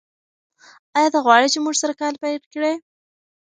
ایا ته غواړې چې موږ سره کار پیل کړې؟